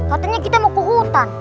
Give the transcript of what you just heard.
katanya kita mau ke hutan